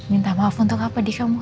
minta maaf untuk apa di kamu kan gak salah